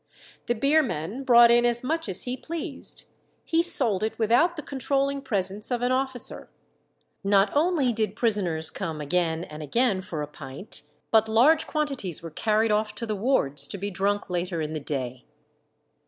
The beer man brought in as much as he pleased; he sold it without the controlling presence of an officer. Not only did prisoners come again and again for a "pint," but large quantities were carried off to the wards to be drunk later in the day.